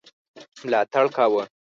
ملاتړ کاوه.